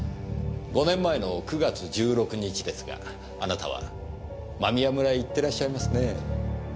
５年前の９月１６日ですがあなたは間宮村へ行ってらっしゃいますねぇ。